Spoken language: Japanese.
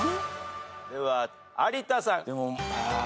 では有田さん。